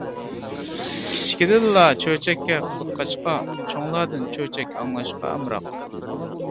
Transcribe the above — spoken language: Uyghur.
كىچىكىدىنلا چۆچەككە قىزىققاچقا چوڭلاردىن چۆچەك ئاڭلاشقا ئامراق.